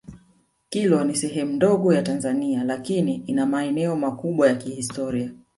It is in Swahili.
Kilwa ni sehemu ndogo ya Tanzania lakini ina maeneo makubwa ya kihistoria